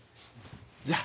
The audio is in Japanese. じゃあ。